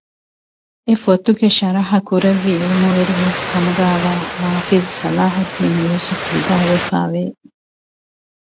އެ ފޮތުގެ ޝަރަޙަކުރެއްވި ޢިލްމުވެރިޔަކުކަމުގައިވާ ޙާފިޡު ޞަލާޙުއްދީނު ޔޫސުފު ވިދާޅުވެފައިވެ